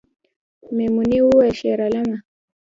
میمونۍ وویل شیرعالمه